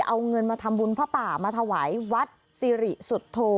เอาเงินมาทำบุญพระป่ามาถวายวัดสิริสุทธโธ